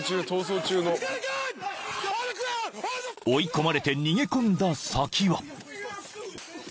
［追い込まれて逃げ込んだ先は］